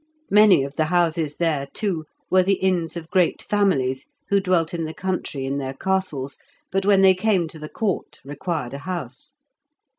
Many of the houses there, too, were the inns of great families who dwelt in the country in their castles, but when they came to the Court required a house.